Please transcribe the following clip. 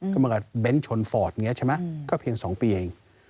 กำลังกับเบนชนฟอร์ตเนี่ยใช่ไหมก็เพียงสองปีเอง